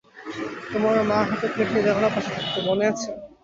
তোমার মা হাতে প্লেট নিয়ে জানালার পাশে থাকত, মনে আছে?